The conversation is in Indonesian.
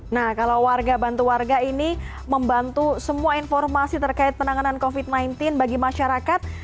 nah kalau warga bantu warga ini membantu semua informasi terkait penanganan covid sembilan belas bagi masyarakat